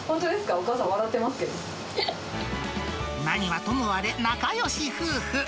お母さん笑って何はともあれ、仲よし夫婦。